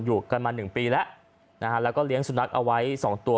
อยู่กันมาหนึ่งปีแล้วนะฮะแล้วก็เลี้ยงสุนัขเอาไว้สองตัว